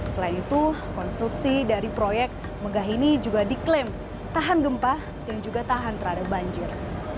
selain itu konstruksi dari proyek megah ini juga diklaim tahan gempa dan juga tahan terhadap banjir